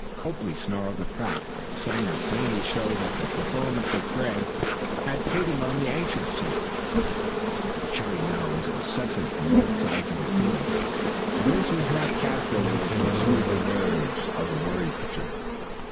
Copley snarled at Pratt, and Sanger plainly showed that the performance of Grant had put him on the anxious seat. The cheering now was incessant from both sides of the field, and this was not calculated to soothe the nerves of the worried pitcher.